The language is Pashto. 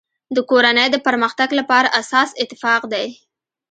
د کورنی د پرمختګ لپاره اساس اتفاق دی.